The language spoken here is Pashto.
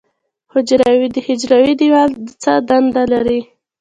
د حجرې دیوال څه دنده لري؟